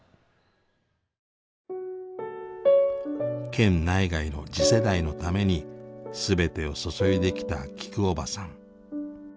県内外の次世代のために全てを注いできたきくおばさん。